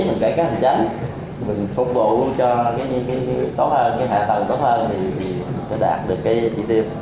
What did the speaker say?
làm hành tránh mình phục vụ cho những cái tốt hơn hệ thần tốt hơn thì sẽ đạt được cái chi tiêu